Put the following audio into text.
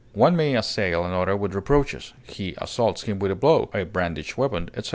One may assail another with reproaches; he assaults him with a blow, a brandished weapon, etc.